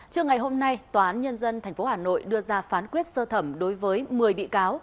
trưa ngày hôm nay tòa án nhân dân tp hà nội đưa ra phán quyết sơ thẩm đối với một mươi bị cáo